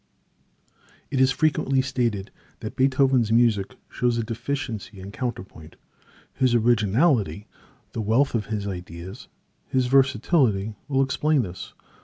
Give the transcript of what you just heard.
It is frequently stated that Beethoven's music shows a deficiency in counterpoint. His originality, the wealth of his ideas, his versatility, will explain this.